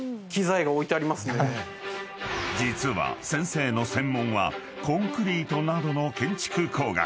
［実は先生の専門はコンクリートなどの建築工学］